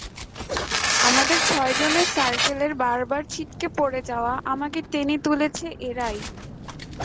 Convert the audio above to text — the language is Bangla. আমাদের ছয়জনের সার্কেলের বারবার ছিটকে পড়ে যাওয়া আমাকে টেনে তুলেছে এরাই।